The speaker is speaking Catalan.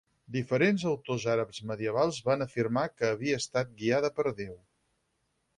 Diferents autors àrabs medievals van afirmar que havia estat guiada per Déu.